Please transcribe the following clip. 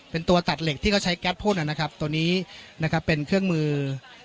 เป็นตัวตัดเหล็กที่เขาใช้แก๊สพุ่นนะครับตัวนี้นะครับเป็นเครื่องมือ